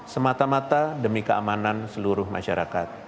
semata mata demi keamanan seluruh masyarakat